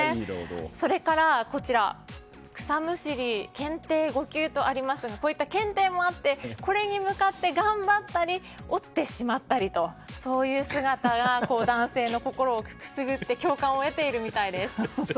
それから草むしり検定５級とありますがこういった検定もあったりこれに向かって頑張ったり、落ちてしまったりとそういう姿が男性の心をくすぐって共感を得ているみたいです。